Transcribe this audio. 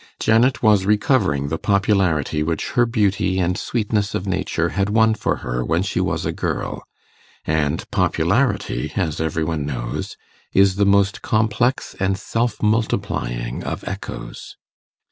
Janet was recovering the popularity which her beauty and sweetness of nature had won for her when she was a girl; and popularity, as every one knows, is the most complex and self multiplying of echoes.